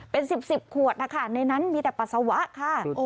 เป็น๑๐๑๐ขวดนะคะในนั้นมีแต่ปัสสาวะค่ะ